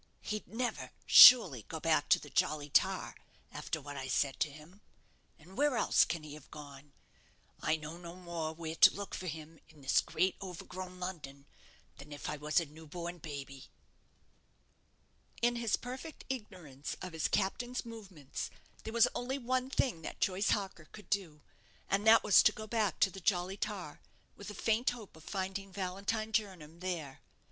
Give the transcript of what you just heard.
He'd never, surely, go back to the 'Jolly Tar', after what I said to him. And where else can he have gone? I know no more where to look for him in this great overgrown London than if I was a new born baby." In his perfect ignorance of his captain's movements, there was only one thing that Joyce Harker could do, and that was to go back to the "Jolly Tar," with a faint hope of finding Valentine Jernam there.